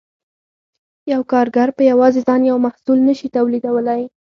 یو کارګر په یوازې ځان یو محصول نشي تولیدولی